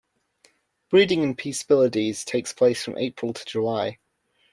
Breeding in "P. spiloides" takes place from April to July.